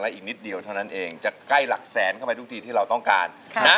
และอีกนิดเดียวเท่านั้นจะใกล้หลักแสนไปทุกทีที่เราต้องการ